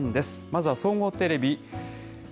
まずは総合テレビ。